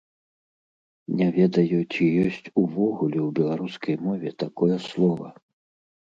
Не ведаю, ці ёсць увогуле ў беларускай мове такое слова.